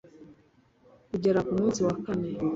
kugera ku munsi wa kane